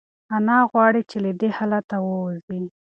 انا غواړي چې له دې حالته ووځي.